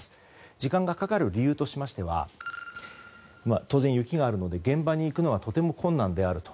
時間がかかる理由としては当然、雪があるので現場に行くのはとても困難であると。